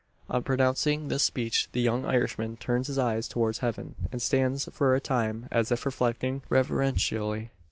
On pronouncing this speech the young Irishman turns his eyes towards Heaven, and stands for a time as if reflecting reverentially.